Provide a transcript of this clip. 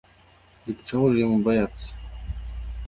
Дык чаго ж яму баяцца?